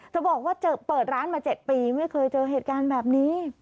บอกว่าเปิดร้านมา๗ปีไม่เคยเจอเหตุการณ์แบบนี้